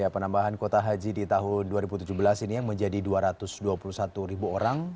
penambahan kuota haji di tahun dua ribu tujuh belas ini yang menjadi dua ratus dua puluh satu ribu orang